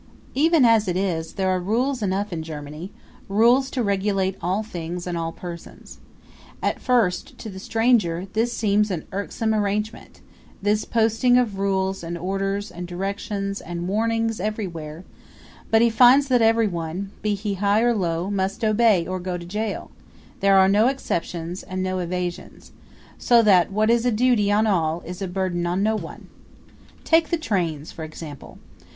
Even as it is, there are rules enough in Germany, rules to regulate all things and all persons. At first, to the stranger, this seems an irksome arrangement this posting of rules and orders and directions and warnings everywhere but he finds that everyone, be he high or low, must obey or go to jail; there are no exceptions and no evasions; so that what is a duty on all is a burden on none. Take the trains, for example.